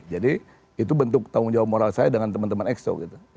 jadi itu bentuk tanggung jawab moral saya dengan teman teman exo